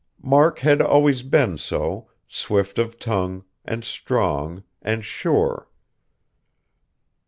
Mark had always been so, swift of tongue, and strong, and sure.